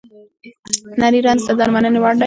نري رنځ د درملنې وړ دی.